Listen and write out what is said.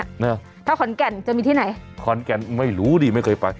เหรอถ้าขอนแก่นจะมีที่ไหนขอนแก่นไม่รู้ดิไม่เคยไป